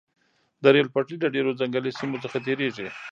د ریل پټلۍ له ډیرو ځنګلي سیمو څخه تیریږي